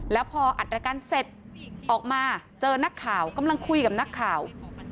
แล้วพออัดรายการเสร็จออกมาเจอนักข่าวกำลังคุยกับนักข่าว